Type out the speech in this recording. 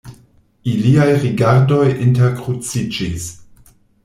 Iliaj rigardoj interkruciĝis.